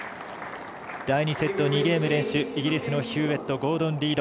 第２セット、２ゲーム連取イギリス、ヒューウェットゴードン・リード。